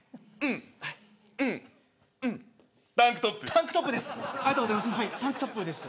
タンクトップです。